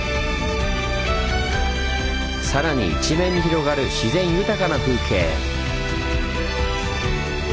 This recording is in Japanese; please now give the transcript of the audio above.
さらに一面に広がる自然豊かな風景。